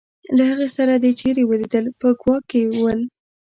له هغې سره دي چېرې ولیدل په کوا کې ول.